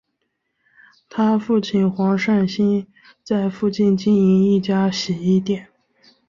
她父亲黄善兴在附近经营一家洗衣店。